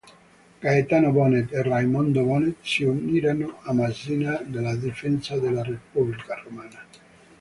Gaetano Bonnet e Raimondo Bonnet si uniranno a Masina nella difesa della Repubblica Romana.